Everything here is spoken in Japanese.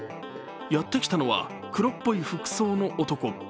やってきたのは黒っぽい服装の男。